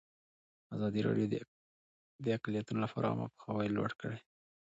ازادي راډیو د اقلیتونه لپاره عامه پوهاوي لوړ کړی.